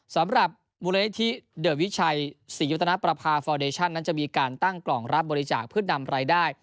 สำหรับมูลนิธิเดอวิชัยศรียุทธนประพาฟอร์เดชั่นนั้นจะมีการตั้งกล่องรับบริจาคเพื่อนำรายได้